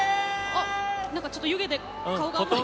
あなんかちょっと湯気で顔があんまり。